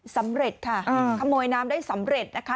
สำเร็จค่ะขโมยน้ำได้สำเร็จนะคะ